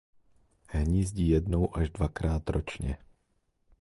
Hnízdí jednou až dvakrát ročně.